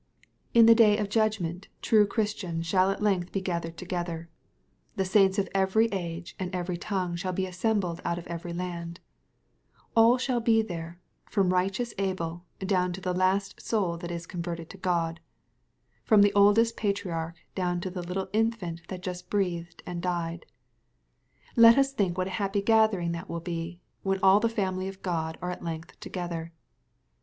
Qln the day of judgment true Christians shall at length be gathered together/ The saints of every age, and every tongue shall be assembled out of every land/ All shall be there, from righteous Abel down to the last soul that is converted to God, — ^from the oldest patriarch down to the little infant that just breathed and died. Let us think what a happy gathering that wiU be, when all the family of God are at length together.